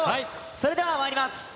それではまいります。